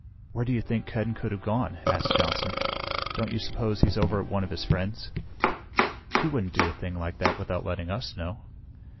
"Where do you think Ken could have gone?" asked Johnson. "Don't you suppose he's over at one of his friend's?" "He wouldn't do a thing like that without letting us know."